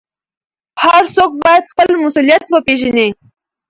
هر څوک باید خپل مسوولیت وپېژني.